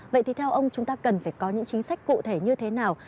vậy thì theo ông chúng ta cần phải có những chính sách cụ thể như thế nào